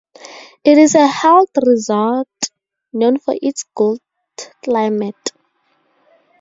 It is a health resort, known for its good climate.